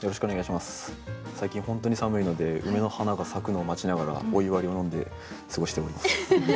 最近本当に寒いので梅の花が咲くのを待ちながらお湯割りを飲んで過ごしております。